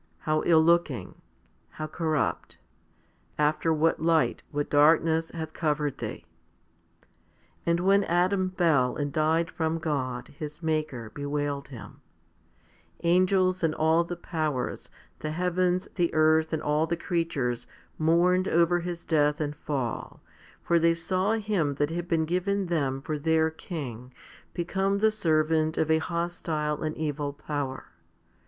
how ill looking ! how corrupt ! After what light, what darkness hath covered thee !" And when Adam fell and died from God, his Maker bewailed him ; angels, 1 John xii. 36 ; ix, 4. 2 Matt. xxv. 41. HOMILY XXX 227 and all the powers, the heavens, the earth, and all the creatures mourned over his death and fall, for they saw him that had been given them for their king become the servant of a hostile and evil power.